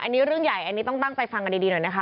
อันนี้เรื่องใหญ่อันนี้ต้องตั้งใจฟังกันดีหน่อยนะคะ